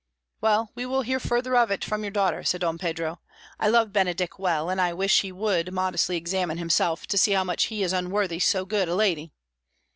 "Well, we will hear further of it from your daughter," said Don Pedro. "I love Benedick well, and I could wish he would modestly examine himself to see how much he is unworthy so good a lady."